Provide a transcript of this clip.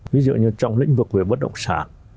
ví dụ như trong lĩnh vực về bất động sản